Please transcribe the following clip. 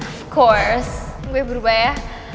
course gue berubah ya